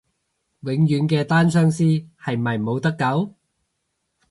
永遠嘅單相思係咪冇得救？